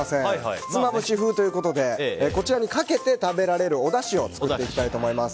ひつまぶし風ということでこちらにかけて食べられるおだしを作っていきたいと思います。